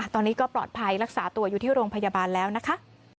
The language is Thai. ตอนนี้ก็ปลอดภัยรักษาตัวอยู่ที่โรงพยาบาลแล้วนะคะ